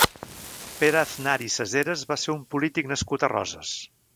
Pere Aznar i Seseres va ser un polític nascut a Roses.